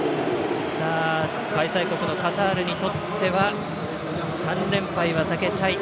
開催国のカタールにとっては３連敗は避けたい。